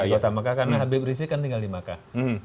di kota mekah karena habib rizik kan tinggal di makkah